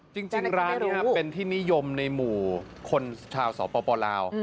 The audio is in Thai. จริงร้านนี้เป็นที่นิยมในหมู่คนชาวสปลาว